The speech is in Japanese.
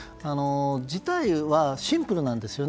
事態はシンプルなんですよ。